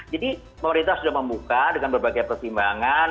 jadi pemerintah sudah membuka dengan berbagai pertimbangan